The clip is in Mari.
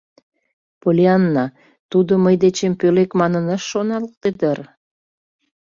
— Поллианна, тудо мый дечем пӧлек манын ыш шоналте дыр?